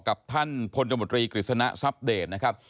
กับท่านพลตมตรีกฤษณะทรัพเดตนะครับ